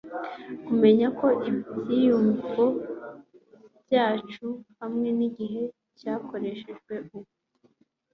kumenya ko ibyiyumvo byacu hamwe nigihe cyakoreshejwe ubusa